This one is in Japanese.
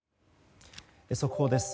速報です。